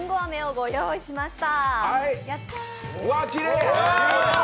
ご用意しました。